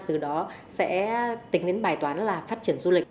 từ đó sẽ tính đến bài toán là phát triển du lịch